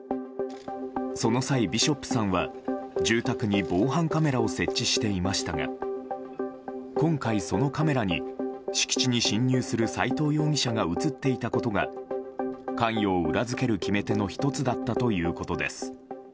その際、ビショップさんは住宅に防犯カメラを設置していましたが今回、そのカメラに敷地に侵入する斎藤容疑者が映っていたことが関与を裏付ける決め手の１つだったということです。